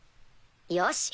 よし！